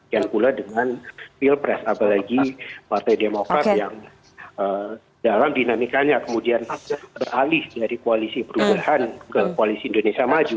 yang pula dengan pilpres apalagi partai demokrat yang dalam dinamikanya kemudian beralih dari koalisi perubahan ke koalisi indonesia maju